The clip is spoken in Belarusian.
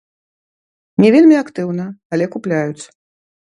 Не вельмі актыўна, але купляюць.